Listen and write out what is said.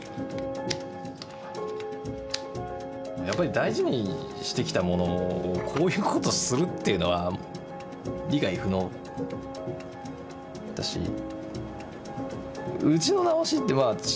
やっぱり大事にしてきたものをこういうことするっていうのは理解不能だし。